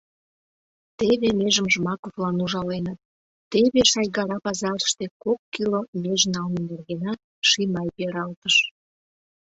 Теве межым Жмаковлан ужаленыт, теве Шайгара пазарыште кок кило меж налме нергенат Шимай пералтыш.